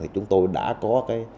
chúng tôi đã có